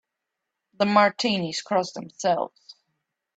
The Martinis cross themselves.